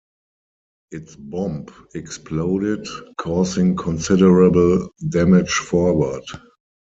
Its bomb exploded, causing considerable damage forward.